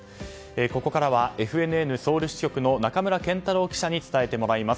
ここからはＦＮＮソウル支局の仲村健太郎記者に伝えてもらいます。